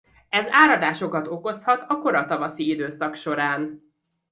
Ez áradásokat okozhat a kora tavaszi időszak során.